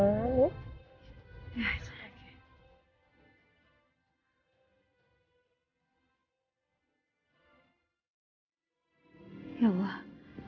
memang nyebutimu adalah couplealnya